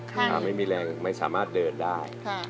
ถ้าไม่มีแรงไม่สามารถเดินได้